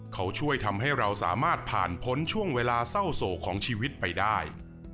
เขาช่วยทำให้เราสามารถผ่านพ้นช่วงเวลาเศร้าโศกของชีวิตไปได้